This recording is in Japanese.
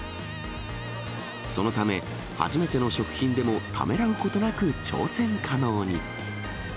そのため、初めての食品でもためらうことなく挑戦可能に。